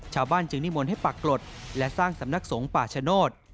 ชาวบ้านจึงนิมนต์ให้ปรากฏและสร้างสำนักสงฆ์ป่าชโนธ